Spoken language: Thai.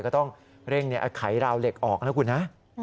ก็ต้องเร่งไขราวเหล็กออกนะคุณนะ